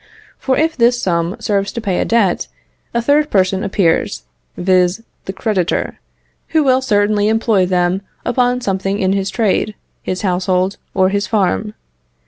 For if this sum serves to pay a debt, a third person appears, viz., the creditor, who will certainly employ them upon something in his trade, his household, or his farm.